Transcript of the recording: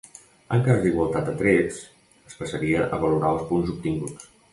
En cas d'igualtat a trets es passaria a valorar els punts obtinguts.